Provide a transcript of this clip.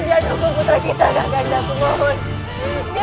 jangan nunggu putra kita kakak anda